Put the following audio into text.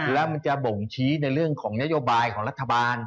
แล้วมันจะบ่งชี้ในเรื่องของนโยบายของรัฐบาล